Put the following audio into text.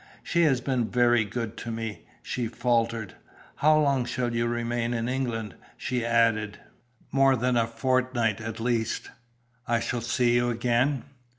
She has been very good to me," she faltered. "How long shall you remain in England?" she added. "More than a fortnight at least." "I shall see you again?"